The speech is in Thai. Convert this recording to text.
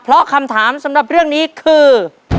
เพราะคำถามสำหรับเรื่องนี้คือ